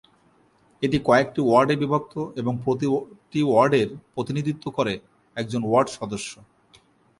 এটি কয়েকটি ওয়ার্ডে বিভক্ত এবং প্রতিটি ওয়ার্ডের প্রতিনিধিত্ব করে একজন ওয়ার্ড সদস্য।